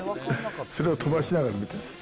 それを飛ばしながら見てるんです。